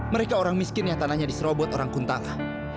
mereka orang miskin yang tanahnya diserah buat orang kuntala